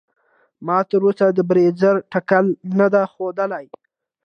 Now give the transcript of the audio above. ما تر اوسه د بریځر ټکله نده خودلي.